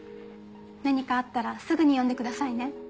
何かあったらすぐに呼んでくださいね。